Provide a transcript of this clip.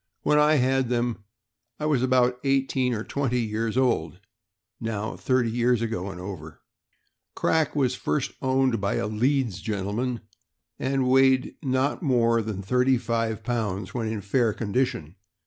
When I had them, I was about eighteen or twenty years old — now thirty years ago and over. ... Crack was first owned by a Leeds gentleman, and weighed not more than thirty five pounds when in fair condition.